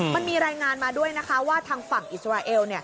มันมีรายงานมาด้วยนะคะว่าทางฝั่งอิสราเอล